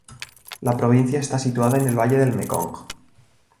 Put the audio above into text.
La provincia está situada en el valle del Mekong.